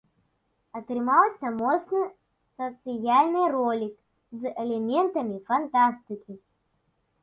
Атрымаўся моцны сацыяльны ролік з элементамі фантастыкі.